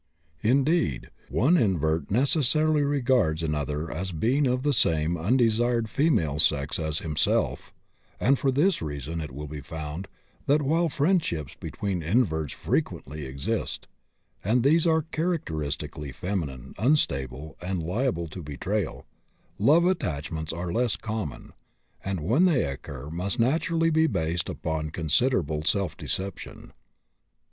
Indeed, one invert necessarily regards another as being of the same undesired female sex as himself, and for this reason it will be found that, while friendships between inverts frequently exist (and these are characteristically feminine, unstable, and liable to betrayal), love attachments are less common, and when they occur must naturally be based upon considerable self deception.